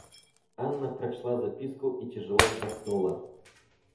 Анна прочла записку и тяжело вздохнула.